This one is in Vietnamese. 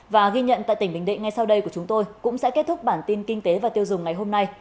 và ghi nhận tại tỉnh bình định ngay sau đây của chúng tôi cũng sẽ kết thúc bản tin kinh tế và tiêu dùng ngày hôm nay